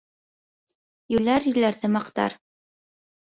Йүләр йүләрҙе маҡтар.